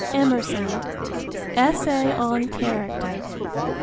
Emerson, Essay on Character.